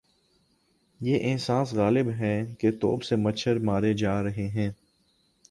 یہ احساس غالب ہے کہ توپ سے مچھر مارے جا رہے ہیں۔